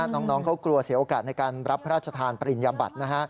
น้องเขากลัวเสียโอกาสในการรับพระราชทานปริญญาบัตินะฮะ